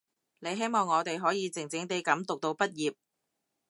你希望我哋可以靜靜地噉讀到畢業